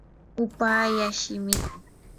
upallaa shimiki.